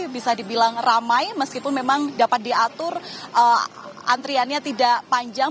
bisa dibilang ramai meskipun memang dapat diatur antriannya tidak panjang